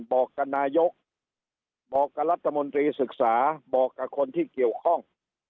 บอกกับนายกบอกกับรัฐมนตรีศึกษาบอกกับคนที่เกี่ยวข้อง